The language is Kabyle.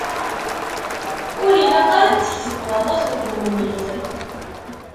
Ur ilaq ara ad tketbeḍ aṭas deg uwennit.